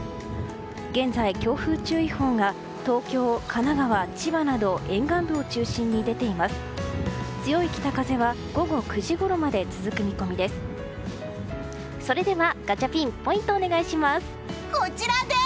現在、強風注意報が東京、神奈川、千葉など沿岸部を中心に出ています。